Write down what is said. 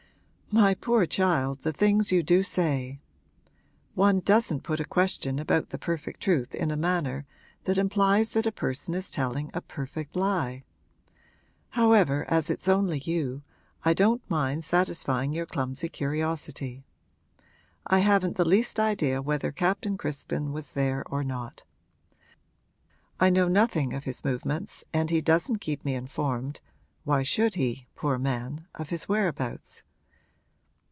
'My poor child, the things you do say! One doesn't put a question about the perfect truth in a manner that implies that a person is telling a perfect lie. However, as it's only you, I don't mind satisfying your clumsy curiosity. I haven't the least idea whether Captain Crispin was there or not. I know nothing of his movements and he doesn't keep me informed why should he, poor man? of his whereabouts.